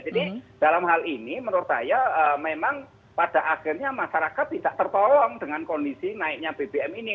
jadi dalam hal ini menurut saya memang pada akhirnya masyarakat tidak tertolong dengan kondisi naiknya bbm ini